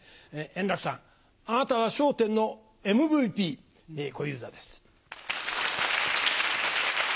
円楽さん、あなたは笑点のＭＶＰ、小遊三です。